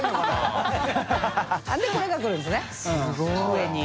大島）でこれが来るんですね上に。